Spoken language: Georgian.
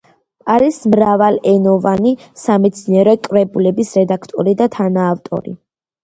არის მრავალენოვანი სამეცნიერო კრებულების რედაქტორი და თანაავტორი.